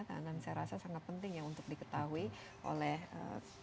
dan saya rasa sangat penting ya untuk diketahui oleh masyarakat